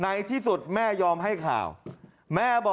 ว่ายังไงก็ว่าการอะไรยังไงใช่ไหม